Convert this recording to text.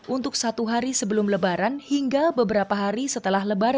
untuk satu hari sebelum lebaran hingga beberapa hari setelah lebaran